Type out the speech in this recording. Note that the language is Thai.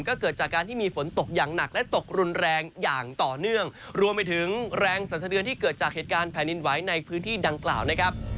ก็เกิดจากการที่มีฝนตกอย่างหนักและตกรุนแรงอย่างต่อเนื่องรวมไปถึงแรงสันสะเทือนที่เกิดจากเหตุการณ์แผ่นดินไหวในพื้นที่ดังกล่าวนะครับ